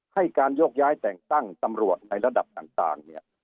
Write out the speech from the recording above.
ให้การโยกย้ายแต่งตั้งตำรวจในระดับต่างเนี่ย